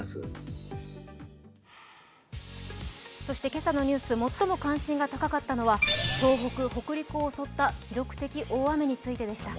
今朝のニュース、最も関心が高かったのは、東北・北陸を襲った記録的な大雨でした。